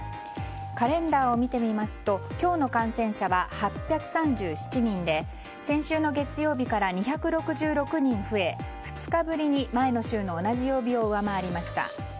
カレンダーを見てみますと今日の感染者は８３７人で８３７人で、先週の月曜日から２６６人増え２日ぶりに前の週の同じ曜日を上回りました。